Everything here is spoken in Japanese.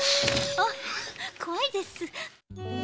あっこわいです。